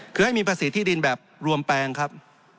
คือให้มีภาษีที่ดินแบบรวมแปลงครับ